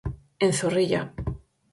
En Zorrilla.